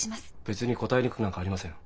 別に答えにくくなんかありません。